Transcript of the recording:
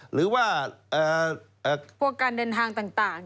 หรือว่าพวกการเดินทางต่าง